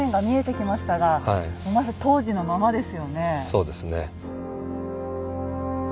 そうですね。